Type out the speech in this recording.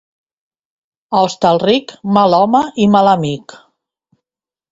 A Hostalric, mal home i mal amic.